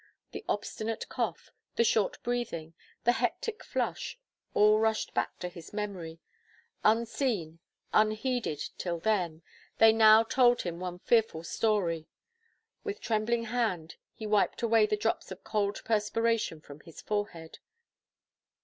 The obstinate cough, the short breathing, the hectic flush, all rushed back to his memory; unseen, unheeded, till then, they now told him one fearful story. With trembling hand he wiped away the drops of cold perspiration from his forehead.